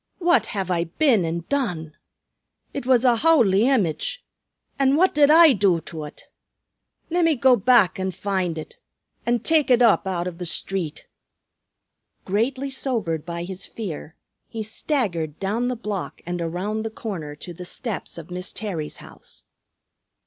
"What have I been an' done? It was a howly image; an' what did I do to ut? Lemme go back an' find ut, an' take ut up out av the street." Greatly sobered by his fear, he staggered down the block and around the corner to the steps of Miss Terry's house.